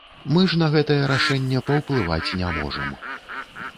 Мы ж на гэтае рашэнне паўплываць не можам.